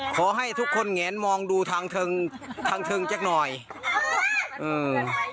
ขอให้ทุกคนแงนมองดูทางเทิงทางเทิงสักหน่อยอืม